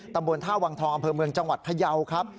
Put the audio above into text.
ตำบลท่าวังทองอำเภอเมืองจังหวัดพยาวครับ